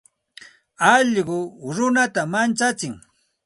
Alluqu runata manchatsin.